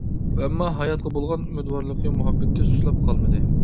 ئەمما، ھاياتقا بولغان ئۈمىدۋارلىقى، مۇھەببىتى سۇسلاپ قالمىدى.